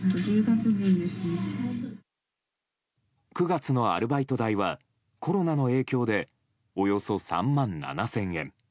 ９月のアルバイト代はコロナの影響でおよそ３万７０００円。